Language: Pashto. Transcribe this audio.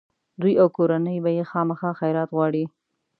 دوی او کورنۍ به یې خامخا خیرات غواړي.